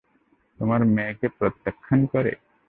তোমার মেয়েকে প্রত্যাখ্যান করে?